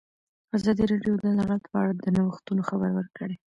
ازادي راډیو د عدالت په اړه د نوښتونو خبر ورکړی.